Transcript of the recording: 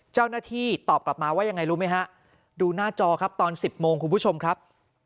เจ้าหน้าที่ตอบกลับมาว่ายังไงรู้ไหมฮะดูหน้าจอครับตอน๑๐โมงคุณผู้ชมครับ